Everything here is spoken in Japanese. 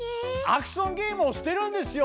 アクションゲームをしてるんですよ！